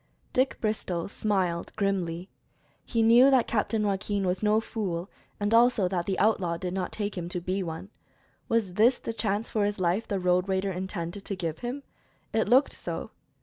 Dick Bristol smiled grimly. He knew that Captain Joaquin was no fool, and also that the outlaw did not take him to be one. Was this the chance for his life the road raider intended to give him? It looked so.